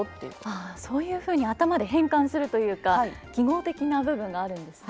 ああそういうふうに頭で変換するというか機能的な部分があるんですね。